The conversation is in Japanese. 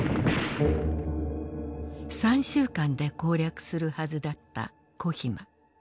３週間で攻略するはずだったコヒマ。